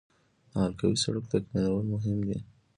د حلقوي سړک تکمیلول مهم دي